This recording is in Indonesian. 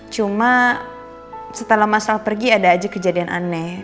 cuma setelah mas al pergi ada aja kejadian aneh